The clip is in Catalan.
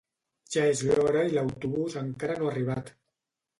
Ja és l'hora i l'autobús encara no ha arribat